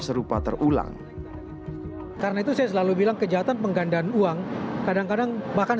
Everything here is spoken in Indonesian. serupa terulang karena itu saya selalu bilang kejahatan penggandaan uang kadang kadang bahkan